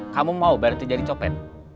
kamu mau berarti jadi copet